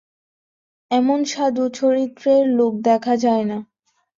এমন সাধুচরিত্রের লোক দেখা যায় না।